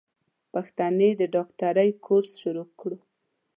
پښتنې د ډاکټرۍ کورس شروع کړو.